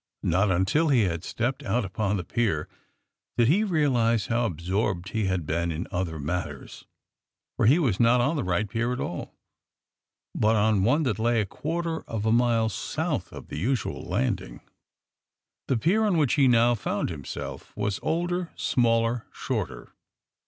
Not until he had stepped out upon the pier did he realize how absorbed he had been in other matters, for he was not on the right pier at all, but on one that lay a quarter of a mile south of the usual landing. The pier on which he now found himself was older, smaller, shorter.